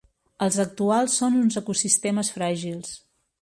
Els actuals són uns ecosistemes fràgils.